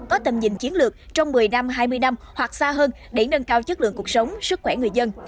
có tầm nhìn chiến lược trong một mươi năm hai mươi năm hoặc xa hơn để nâng cao chất lượng cuộc sống sức khỏe người dân